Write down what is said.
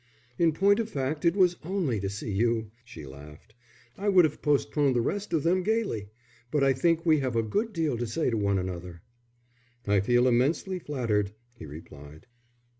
"In point of fact it was only to see you," she laughed. "I would have postponed the rest of them gaily, but I think we have a good deal to say to one another." "I feel immensely flattered," he replied.